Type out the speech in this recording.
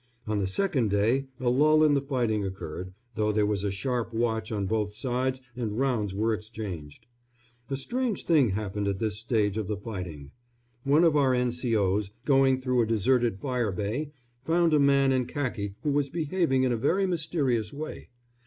On the second day a lull in the fighting occurred, though there was a sharp watch on both sides and rounds were exchanged. A strange thing happened at this stage of the fighting. One of our N.C.O.s, going through a deserted fire bay, found a man in khaki who was behaving in a very mysterious way.